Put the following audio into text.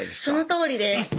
そのとおりです